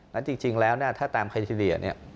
และจริงแล้วถ้าตามคิดียะ